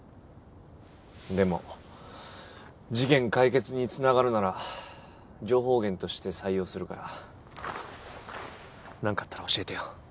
でも事件解決につながるなら情報源として採用するから何かあったら教えてよ。